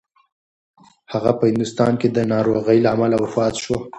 هغه په هندوستان کې د ناروغۍ له امله وفات شو.